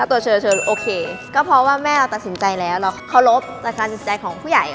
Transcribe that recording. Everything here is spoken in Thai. อ่าใครเริ่มก่อนเริ่มพี่เชิงค่ะ